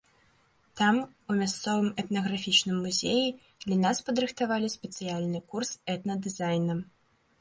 Там, у мясцовым этнаграфічным музеі, для нас падрыхтавалі спецыяльны курс этна-дызайна.